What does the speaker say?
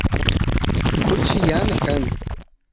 kuchi yana kan